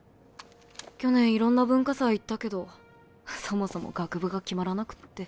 去年いろんな文化祭行ったけどそもそも学部が決まらなくって。